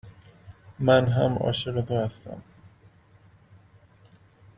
من هم عاشق تو هستم.